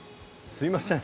すいません。